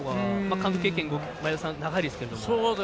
監督経験、前田さん長いですけども。